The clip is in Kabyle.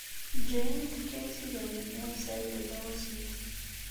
Jane tefka-as idrimen-nni i Saɛida Tawasift.